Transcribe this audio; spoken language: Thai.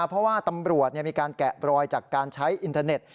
เพราะว่าตำรวจมีการแกะบรอยจากการใช้อินเทอร์เน็ต